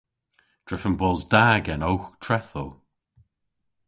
Drefen bos da genowgh trethow.